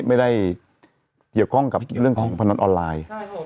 ไม่ได้เกี่ยวข้องกับเรื่องของพนันออนไลน์